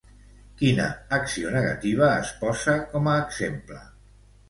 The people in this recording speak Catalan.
Quina acció negativa es posa com a exemple?